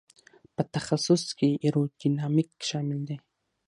په تخصص کې ایرو ډینامیک شامل دی.